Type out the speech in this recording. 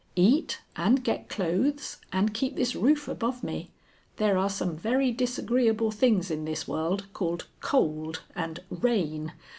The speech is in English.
"Eat, and get clothes and keep this roof above me. There are some very disagreeable things in this world called Cold and Rain.